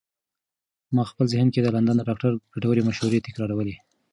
ما په خپل ذهن کې د لندن د ډاکتر ګټورې مشورې تکرارولې.